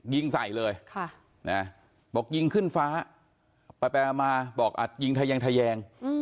ยิงใส่เลยบอกยิงขึ้นฟ้าไปมาบอกอัดยิงทะแยงทะแยง